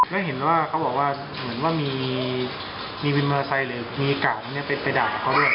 ไม่เห็นว่าเขาบอกว่าเหมือนว่ามีมีวิมเมอร์ไซค์หรือมีการเนี่ยไปด่าเขาด้วย